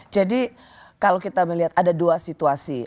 jadi kalau kita melihat ada dua situasi